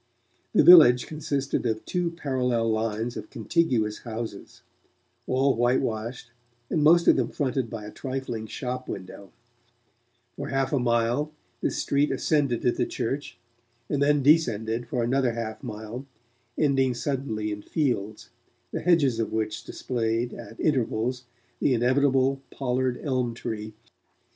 The village consisted of two parallel lines of contiguous houses, all white washed and most of them fronted by a trifling shop window; for half a mile this street ascended to the church, and then descended for another half mile, ending suddenly in fields, the hedges of which displayed, at intervals, the inevitable pollard elm tree.